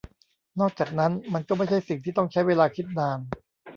นอกจากนั้น มันก็ไม่ใช่สิ่งที่ต้องใช้เวลาคิดนาน